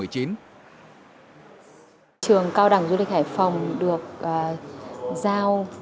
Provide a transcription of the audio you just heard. trường cao đẳng du lịch hải phòng được giao